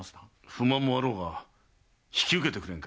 不満もあろうが引き受けてくれぬか。